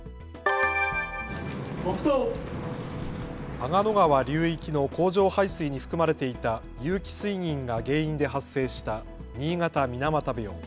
阿賀野川流域の工場排水に含まれていた有機水銀が原因で発生した新潟水俣病。